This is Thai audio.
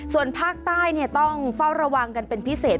ส่วนภาคใต้ต้องเฝ้าระวังกันเป็นพิเศษ